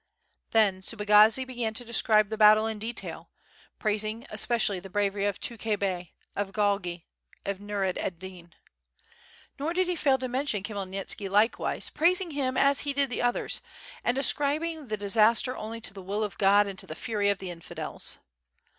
Then Subagazi began to describe the battle in detail, prais ing especially the bravery of Tukhay Bev, of Galgi and Xur ed Din. Nor did he fail to mention Khmyelnitski likewise, praising him as he did the others, and ascribing the disaster only to the will of God and to the fury of the infidels.